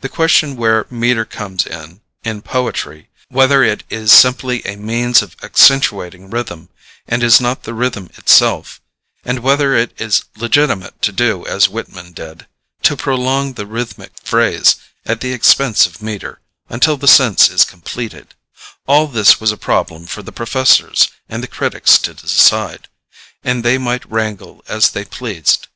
The question where metre comes in in poetry, whether it is simply a means of accentuating rhythm, and is not the rhythm itself, and whether it is legitimate to do as Whitman did, to prolong the rhythmic phrase at the expense of metre, until the sense is completed, all this was a problem for the professors and the critics to decide, and they might wrangle as they pleased.